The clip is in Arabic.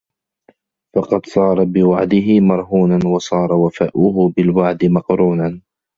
فَقَدْ صَارَ بِوَعْدِهِ مَرْهُونًا وَصَارَ وَفَاؤُهُ بِالْوَعْدِ مَقْرُونًا